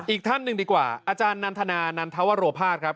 อีกท่านหนึ่งดีกว่าอาจารย์นันทนานันทวโรภาสครับ